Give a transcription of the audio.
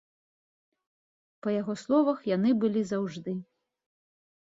Па яго словах, яны былі заўжды.